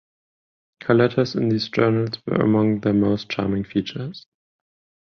Her letters in these journals were among their most charming features.